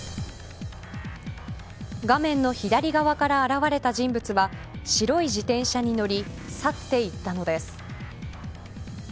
画面の左側から現れた人物は白い自転車に乗り去っていったのです。